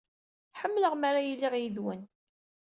Ḥemmleɣ mi ara iliɣ yid-wen.